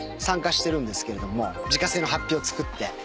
自家製の法被を作って。